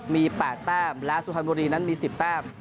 มี๘แต้มและสุพรรณบุรีนั้นมี๑๐แต้ม